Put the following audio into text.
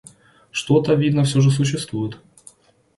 Что-то, видно, всё же существует?